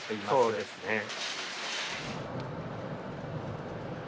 そうですね。